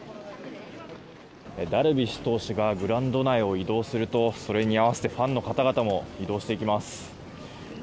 ダルビッシュ投手がグラウンド内を移動するとそれに合わせて、ファンの方々も移動していきます。